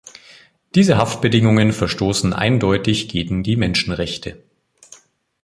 Diese Haftbedingungen verstoßen eindeutig gegen die Menschenrechte.